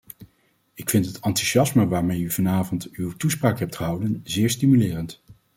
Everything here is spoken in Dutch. Ik vind het enthousiasme waarmee u vanavond uw toespraak hebt gehouden, zeer stimulerend.